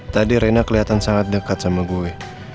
tadi rena kelihatan sangat dekat sama gue